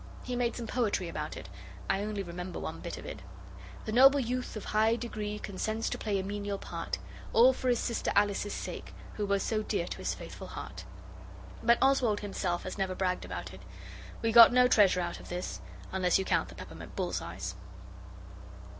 He made some poetry about it. I only remember one bit of it. The noble youth of high degree Consents to play a menial part, All for his sister Alice's sake, Who was so dear to his faithful heart. But Oswald himself has never bragged about it. We got no treasure out of this, unless you count the peppermint bullseyes.